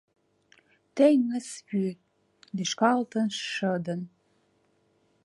Теҥыз вӱд, лӱшкалтын шыдын